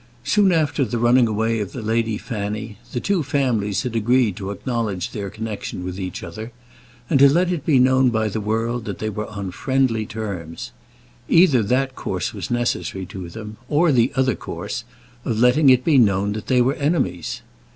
Soon after the running away of the Lady Fanny, the two families had agreed to acknowledge their connection with each other, and to let it be known by the world that they were on friendly terms. Either that course was necessary to them, or the other course, of letting it be known that they were enemies.